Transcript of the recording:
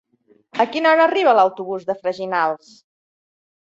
A quina hora arriba l'autobús de Freginals?